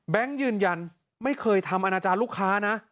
ยืนยันไม่เคยทำอนาจารย์ลูกค้านะ